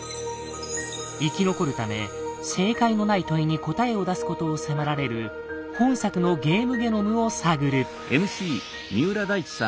生き残るため正解のない問いに答えを出すことを迫られる本作の「ゲームゲノム」を探る。